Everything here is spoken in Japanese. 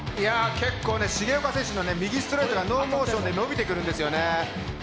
結構重岡選手の右ストレートがノーモーションで伸びてくるんですよね。